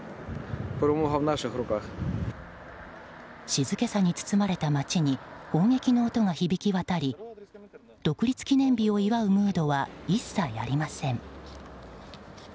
静けさに包まれた街に砲撃の音が響き渡り独立記念日を祝うムードは一切ありません。